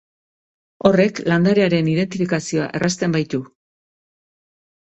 Horrek landarearen identifikazioa errazten baitu.